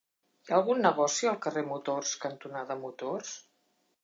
Hi ha algun negoci al carrer Motors cantonada Motors?